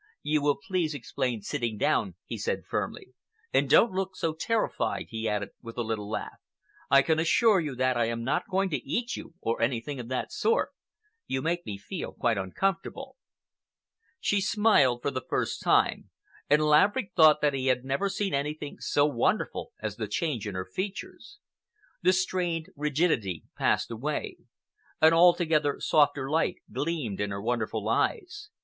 "You will please explain sitting down," he said firmly. "And don't look so terrified," he added, with a little laugh. "I can assure you that I am not going to eat you, or anything of that sort. You make me feel quite uncomfortable." She smiled for the first time, and Laverick thought that he had never seen anything so wonderful as the change in her features. The strained rigidity passed away. An altogether softer light gleamed in her wonderful eyes.